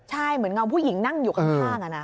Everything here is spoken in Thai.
ใช่เหมือนเงาผู้หญิงนั่งอยู่ข้าง